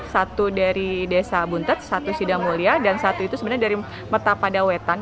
satu dari desa buntet satu sidamulia dan satu itu sebenarnya dari mertapada wetan